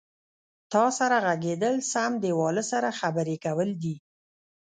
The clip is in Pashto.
تا سره غږېدل سم دیواله سره خبرې کول دي.